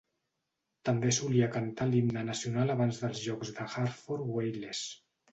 També solia cantar l'himne nacional abans dels jocs de Hartford Whalers.